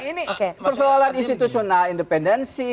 ini persoalan institusional independensi